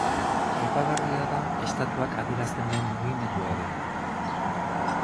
Aipagarria da estatuak adierazten duen mugimendua ere.